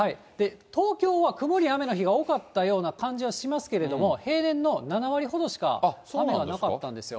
東京は曇り、雨の日が多かったような感じはしますけれども、平年の７割ほどしか雨がなかったんですよ。